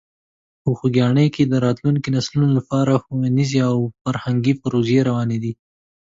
په خوږیاڼي کې د راتلونکو نسلونو لپاره ښوونیزې او فرهنګي پروژې روانې دي.